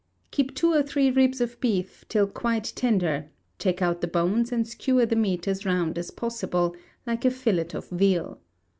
Keep two or three ribs of beef till quite tender, take out the bones, and skewer the meat as round as possible, like a fillet of veal.